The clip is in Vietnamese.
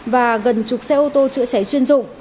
và gần chục xe ô tô chữa cháy chuyên dụng